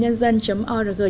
phong văn hóa org vn